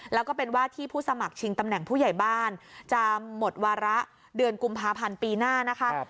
แล้วก็เป็นว่าที่ผู้สมัครชิงตำแหน่งผู้ใหญ่บ้านจะหมดวาระเดือนกุมภาพันธ์ปีหน้านะคะ